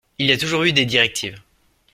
Il y a toujours eu des directives.